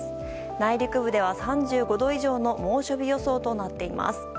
内陸部では３５度以上の猛暑日予想となっています。